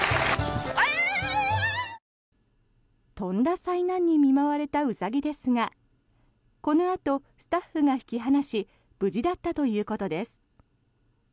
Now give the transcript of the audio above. とんだ災難に見舞われたウサギですがこのあと、スタッフが引き剥がし無事だったということです。